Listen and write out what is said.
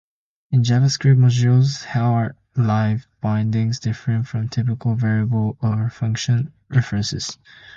In JavaScript modules, how are livebindings different from typical variable or function references?